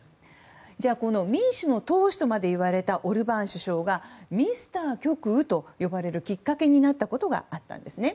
じゃあ、この民主の闘士とまで言われたオルバーン首相がミスター極右と呼ばれるきっかけになったことがあったんです。